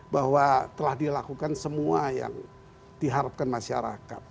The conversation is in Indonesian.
bahwa telah dilakukan semua yang diharapkan masyarakat